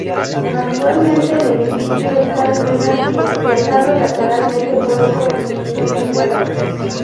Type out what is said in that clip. Actualmente el edificio está en ruinas y desplazado lateralmente por un corrimiento de tierras.